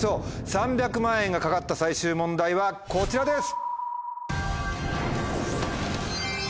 ３００万円が懸かった最終問題はこちらです。